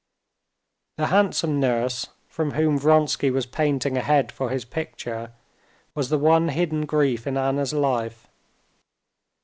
The handsome nurse, from whom Vronsky was painting a head for his picture, was the one hidden grief in Anna's life.